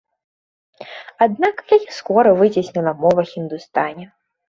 Аднак яе скора выцесніла мова хіндустані.